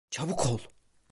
Çabuk ol!